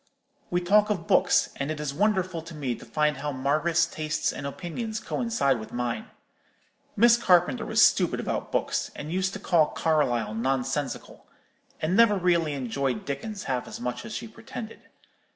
We talk of books; and it is wonderful to me to find how Margaret's tastes and opinions coincide with mine. Miss Carpenter was stupid about books, and used to call Carlyle nonsensical; and never really enjoyed Dickens half as much as she pretended.